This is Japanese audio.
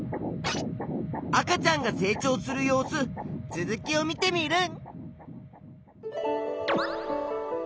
赤ちゃんが成長する様子続きを見テミルン！